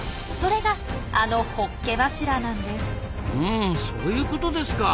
それがあの「ホッケ柱」なんです。